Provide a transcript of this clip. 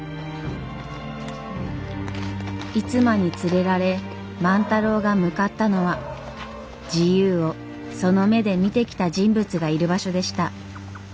逸馬に連れられ万太郎が向かったのは自由をその目で見てきた人物がいる場所でした。